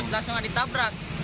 terus langsung ditabrak